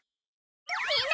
みんな！